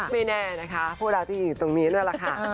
ไม่แน่นะคะพวกเราที่อยู่ตรงนี้นั่นแหละค่ะ